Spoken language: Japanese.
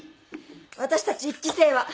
私たち１期生は。